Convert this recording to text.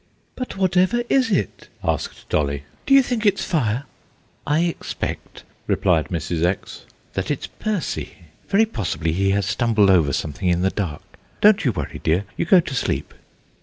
"But whatever is it?" asked Dolly. "Do you think it's fire?" "I expect," replied Mrs. X., "that it's Percy. Very possibly he has stumbled over something in the dark. Don't you worry, dear; you go to sleep."